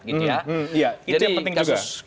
jadi kasus rakanan diangkat lagi